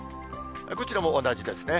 こちらも同じですね。